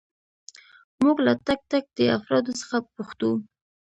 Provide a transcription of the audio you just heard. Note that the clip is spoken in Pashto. موږ له تک تک دې افرادو څخه پوښتو.